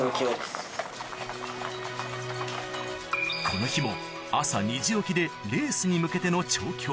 この日も朝２時起きでレースに向けての調教